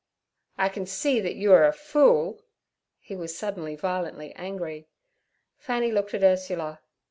'I can see that you are a fool.' He was suddenly violently angry. Fanny looked at Ursula.